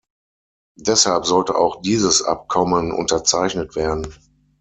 Deshalb sollte auch dieses Abkommen unterzeichnet werden.